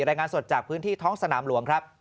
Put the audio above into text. รายงานสดจากพื้นที่ท้องสนามหลวงครับ